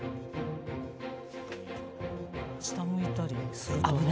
下向いたりするとね。